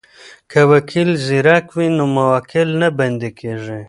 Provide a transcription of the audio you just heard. که وکیل زیرک وي نو موکل نه بندی کیږي.